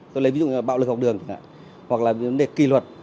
tôi lấy ví dụ như là bạo lực học đường hoặc là vấn đề kỳ luật